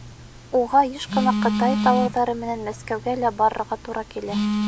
Уға йыш ҡына Ҡытай тауарҙары менән Мәскәүгә лә барырға тура килә.